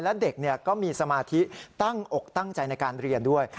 และเด็กก็มีสมาธิตั้งอกตั้งใจในการเรียนด้วย